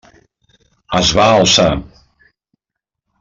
Es va alçar.